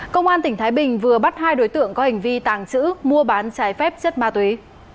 công an tỉnh thái bình vừa bắt hai đối tượng có hành vi tàng trữ mua bán trái phép chất ma túy